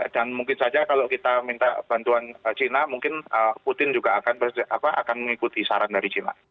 dan mungkin saja kalau kita minta bantuan china mungkin putin juga akan mengikuti saran dari china